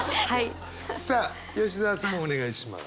さあ吉澤さんお願いします。